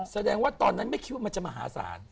แสดงว่าตอนนั้นไม่คิดว่ามันจะมหาศาล